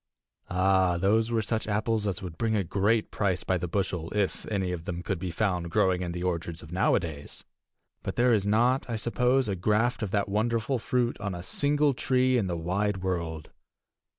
Ah, those were such apples as would bring a great price by the bushel if any of them could be found growing in the orchards of nowadays! But there is not, I suppose, a graft of that wonderful fruit on a single tree in the wide world.